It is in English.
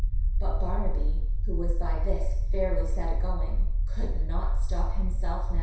But Barnaby, who was by this fairly set agoing, could not now stop himself.